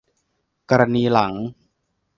กรณีหลัง